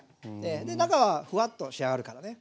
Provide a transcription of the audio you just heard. で中はふわっと仕上がるからね。